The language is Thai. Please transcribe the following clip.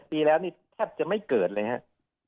ปีแล้วนี่แทบจะไม่เกิดเลยครับ